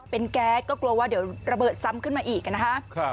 เป็นแก๊สก็กลัวว่าเดี๋ยวระเบิดซ้ำขึ้นมาอีกนะฮะ